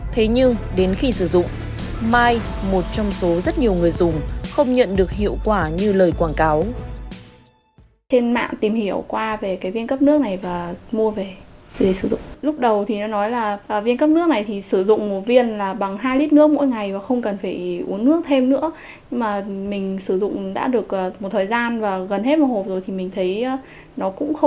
thế nhưng đến khi sử dụng mai một trong số rất nhiều người dùng không nhận được hiệu quả